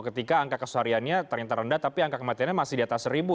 ketika angka kesehariannya ternyata rendah tapi angka kematiannya masih di atas seribu